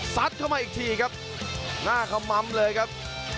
เข้ามาอีกทีครับหน้าขมัมเลยครับ